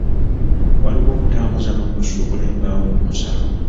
Waliwo okutambuza n'okusuubula embaawo ku nsalo.